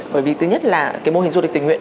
bởi vì thứ nhất là cái mô hình du lịch tình nguyện